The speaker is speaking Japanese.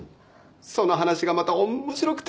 その話がまた面白くて。